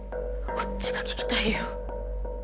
こっちが聞きたいよ。